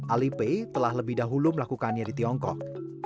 alipay telah lebih dahulu melakukannya di tiongkok